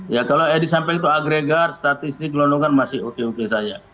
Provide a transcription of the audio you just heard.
ya kalau disampaikan agregat statistik londongan masih oke oke saja